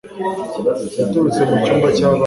yaturutse mu cyumba cy'abana